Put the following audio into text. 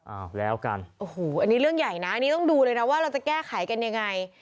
อ้าวแล้วกันโอ้โหอันนี้เรื่องใหญ่นะอันนี้ต้องดูเลยนะว่าเราจะแก้ไขกันยังไง